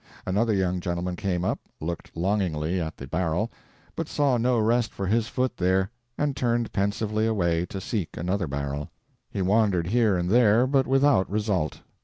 Another young gentleman came up, looked longingly at the barrel, but saw no rest for his foot there, and turned pensively away to seek another barrel. He wandered here and there, but without result.